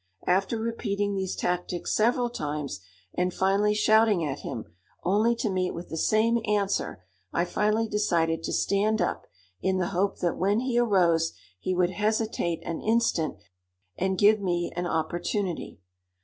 After repeating these tactics several times, and finally shouting at him, only to meet with the same answer, I finally decided to stand up, in the hope that when he arose he would hesitate an instant and give me an opportunity.